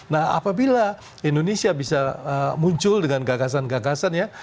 nah apabila indonesia bisa muncul dengan gagasan gagasan ya